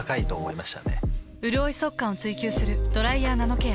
うるおい速乾を追求する「ドライヤーナノケア」。